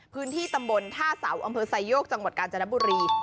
พื้นที่ตำบลท่าเสาอำเภอไซโยกจังหวัดกาญจนบุรี